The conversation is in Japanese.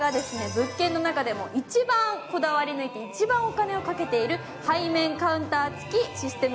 こちらが一番こだわって一番お金をかけている背面カウンター付きシステム